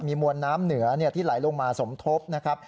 มีมวลน้ำเหนือที่ไหลลงมาสมทบนะครับ